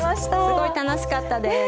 すごい楽しかったです。